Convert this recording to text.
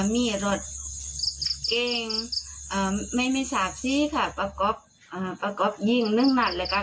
มีรถเกงไม่มีฉากซี้ค่ะประกอบยิงหนึ่งนัดเลยค่ะ